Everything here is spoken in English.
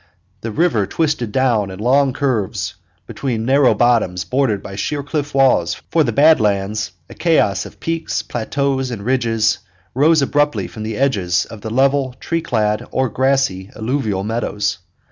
The river twisted down in long curves between narrow bottoms bordered by sheer cliff walls, for the Bad Lands, a chaos of peaks, plateaus, and ridges, rose abruptly from the edges of the level, tree clad, or grassy, alluvial meadows.